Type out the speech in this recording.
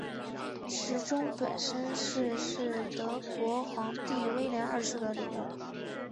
时钟本身是是德国皇帝威廉二世的礼物。